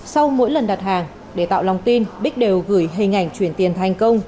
sau mỗi lần đặt hàng để tạo lòng tin bích đều gửi hình ảnh chuyển tiền thành công